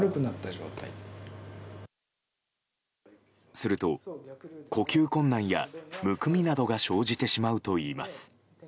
すると呼吸困難やむくみなどが生じてしまうといいます。